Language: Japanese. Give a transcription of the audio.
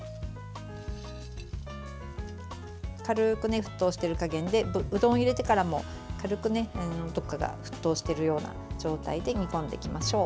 軽く沸騰している加減でうどんを入れてからも軽くどこかが沸騰しているような状態で煮込んでいきましょう。